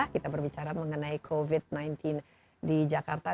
kita berbicara mengenai covid sembilan belas di jakarta